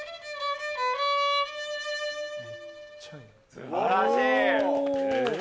すばらしい。